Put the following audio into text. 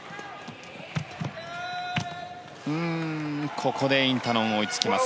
ここでインタノン追いつきます。